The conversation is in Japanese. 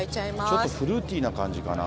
ちょっとフルーティーな感じかな。